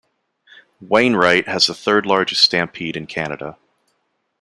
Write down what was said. Wainwright has the third-largest stampede in Canada.